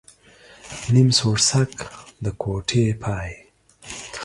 نيم سوړسک ، د کوټې پاى.